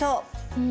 うん。